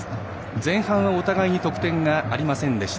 前半はお互いに得点がありませんでした。